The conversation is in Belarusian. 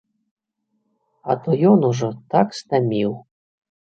А то ён ужо так стаміў!